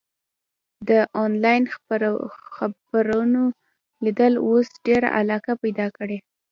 د انلاین خپرونو لیدل اوس ډېره علاقه پیدا کړې.